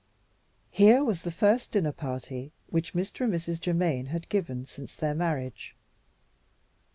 Here was the first dinner party which Mr. and Mrs. Germaine had given since their marriage.